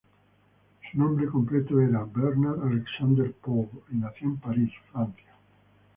Su nombre completo era Bernard Alexandre Paul, y nació en París, Francia.